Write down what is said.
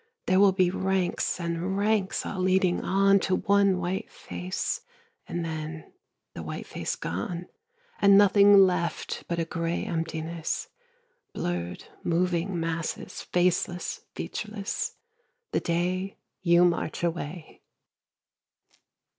There will be ranks and ranks, all leading on To one white face, and then the white face gone, And nothing left but a gray emptiness Blurred moving masses, faceless, featureless The day you march away.